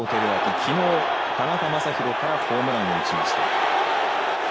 きのう、田中将大からホームランを打ちました。